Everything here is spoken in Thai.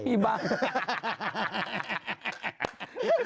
พี่บ้าง